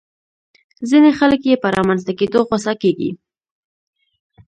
ځينې خلک يې په رامنځته کېدو غوسه کېږي.